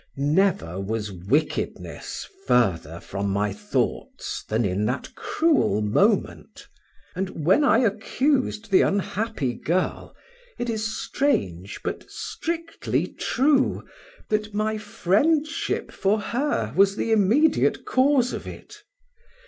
Never was wickedness further from my thoughts, than in that cruel moment; and when I accused the unhappy girl, it is strange, but strictly true, that my friendship for her was the immediate cause of it.